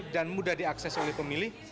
dan mudah diakses oleh pemilih